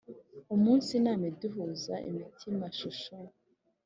umunsi imana iduhuza imitima chouchou